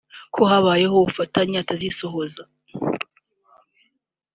ko hatabayeho ubufatanye atazisohoza